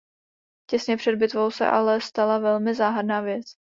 Těsně před bitvou se ale stala velmi záhadná věc.